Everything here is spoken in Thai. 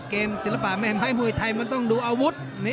ศิลปะแม่ไม้มวยไทยมันต้องดูอาวุธ